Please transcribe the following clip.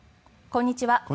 こんにちは。